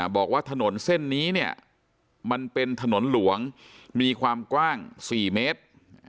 บอกว่าถนนเส้นนี้เนี่ยมันเป็นถนนหลวงมีความกว้าง๔เมตร